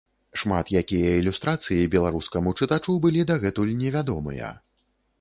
Шмат якія ілюстрацыі беларускаму чытачу былі дагэтуль невядомыя.